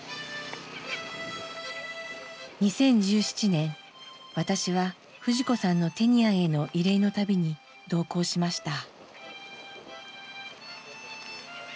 ２０１７年私は藤子さんのテニアンへの慰霊の旅に同行しました。